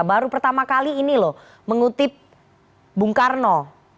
baru pertama kali ini loh mengutip bung karno